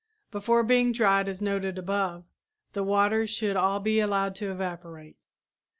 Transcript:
Before being dried as noted above, the water should all be allowed to evaporate.